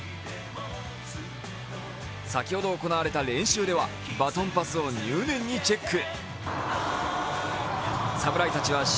先ほど行われた練習ではバトンパスを入念にチェック。